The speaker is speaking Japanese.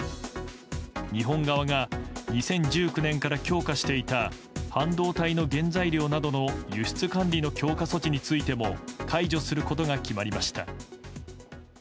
日本側が２０１９年から強化していた半導体の原材料などの輸出管理の強化措置についても解除することが決まりました。